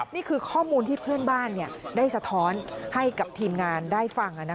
นี่คือข้อมูลที่เพื่อนบ้านได้สะท้อนให้กับทีมงานได้ฟัง